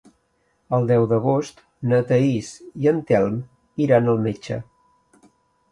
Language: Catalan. El deu d'agost na Thaís i en Telm iran al metge.